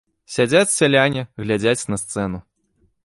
Сядзяць сяляне, глядзяць на сцэну.